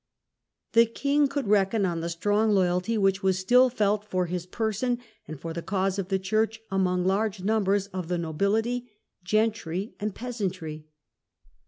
The king could reckon on the strong loyalty which was still felt for his person and for the cause of the church among large numbers of the nobility, gentry, prospects of and peasantry.